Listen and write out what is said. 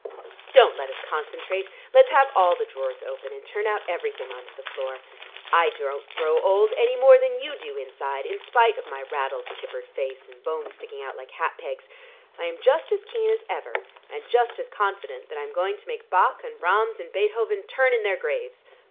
Don't let us concentrate: let's have all the drawers open and turn out everything on to the floor. I don't grow old any more than you do inside, in spite of my raddled, kippered face, and bones sticking out like hat pegs. I am just as keen as ever, and just as confident that I'm going to make Bach and Brahms and Beethoven turn in their graves.